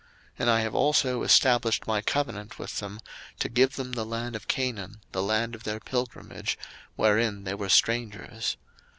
02:006:004 And I have also established my covenant with them, to give them the land of Canaan, the land of their pilgrimage, wherein they were strangers.